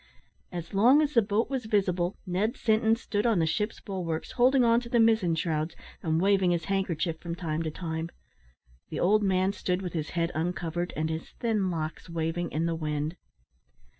As long as the boat was visible Ned Sinton stood on the ship's bulwarks, holding on to the mizzen shrouds, and waving his handkerchief from time to time. The old man stood with his head uncovered, and his thin locks waving in the wind.